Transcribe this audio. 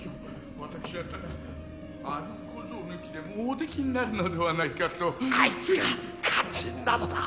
私はただあの小僧抜きでもおできになるのではないかとあいつが肝心なのだ！